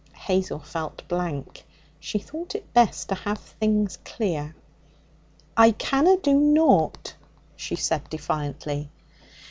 Hazel felt blank. She thought it best to have things clear. 'I canna do naught,' she said defiantly.